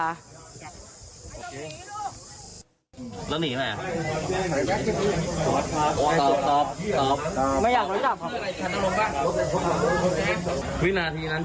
แล้วหนีไหนตอบตอบตอบตอบไม่อยากรู้จักครับวินาทีนั้น